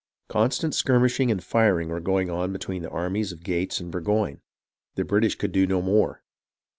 Constant skirmishing and firing were going on between the armies of Gates and Burgoyne. The British could do no more.